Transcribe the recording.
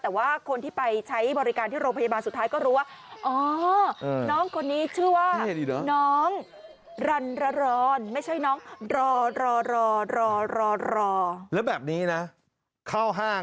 แต่ว่าคนที่ไปใช้บริการที่โรงพยาบาลสุดท้ายก็รู้ว่า